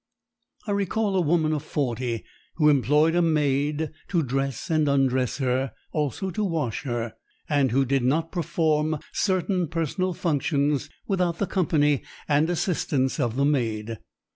I recall a woman of forty who employed a maid to dress and undress her, also to wash her, and who did not perform certain personal functions without the company and assistance of the maid.